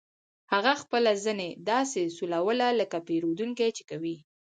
هغه خپله زنې داسې سولوله لکه پیرودونکي چې کوي